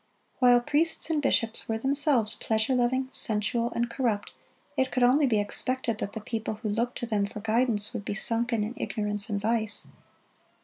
While priests and bishops were themselves pleasure loving, sensual, and corrupt, it could only be expected that the people who looked to them for guidance would be sunken in ignorance and vice.